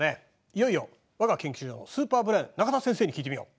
いよいよわが研究所のスーパーブレーン仲田先生に聞いてみよう。